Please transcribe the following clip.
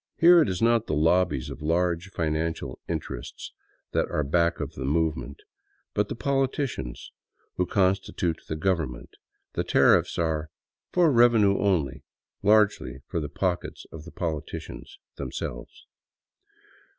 Here it is not the lobbies of large financial in terests that are back of the movement, but the politicians who consti tute the " government "; the tariffs are " for revenue only "— largely for the pockets of the politicians themselves.